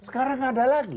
sekarang ada lagi